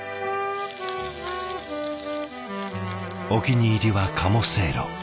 お気に入りは鴨せいろ。